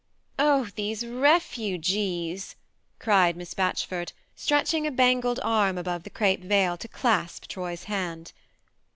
" Oh, these refugees !" cried Miss Batchford, stretching a bangled arm above the crape veil to clasp Troy's hand.